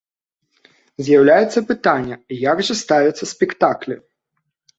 З'яўляецца пытанне, як жа ставяцца спектаклі?